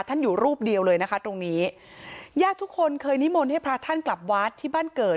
ท่านอยู่รูปเดียวเลยนะคะตรงนี้ญาติทุกคนเคยนิมนต์ให้พระท่านกลับวัดที่บ้านเกิด